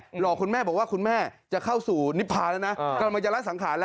หลอกคุณแม่บอกว่าคุณแม่จะเข้าสู่นิพาแล้วนะกำลังจะละสังขารแล้ว